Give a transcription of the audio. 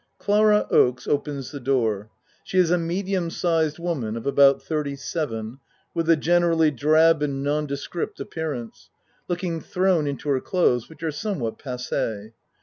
Clara Oakes opens the door. She is a medium sized woman of about 37 with a generally drab and nondescript appearance, looking thrown into her clothes which are somewhat passe.